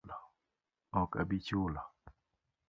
Ok abi chulo